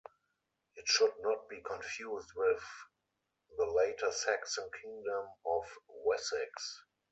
It should not be confused with the later Saxon kingdom of Wessex.